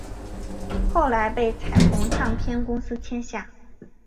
后来被彩虹唱片公司签下。